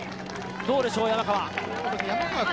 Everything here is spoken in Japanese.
どうでしょう、山川。